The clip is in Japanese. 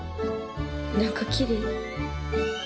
何かきれい。